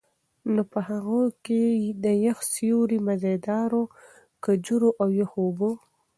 نو په هغو کي د يخ سيُوري، مزيدارو کجورو، او يخو اوبو